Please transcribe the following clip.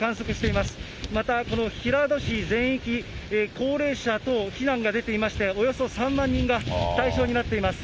また平戸市全域、高齢者等避難が出ていまして、およそ３万人が対象になっています。